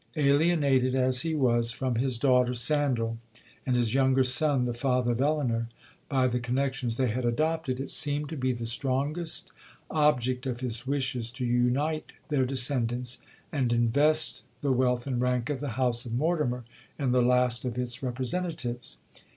Alienated as he was from his daughter Sandal, and his younger son the father of Elinor, by the connexions they had adopted, it seemed to be the strongest object of his wishes to unite their descendants, and invest the wealth and rank of the house of Mortimer in the last of its representatives.